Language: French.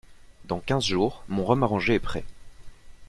Dans quinze jours, mon rhum arrangé est prêt.